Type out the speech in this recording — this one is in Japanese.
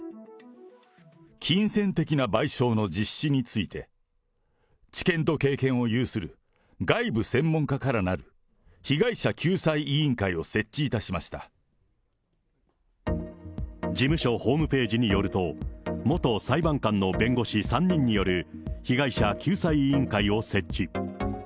金銭的な賠償の実施について、知見と経験を有する外部専門家からなる被害者救済委員会を設置い事務所ホームページによると、元裁判官の弁護士３人による被害者救済委員会を設置。